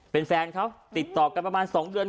เป็นแฟนเขาติดต่อกันประมาณ๒เดือน